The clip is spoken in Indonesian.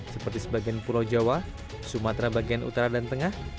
seperti sebagian pulau jawa sumatera bagian utara dan tengah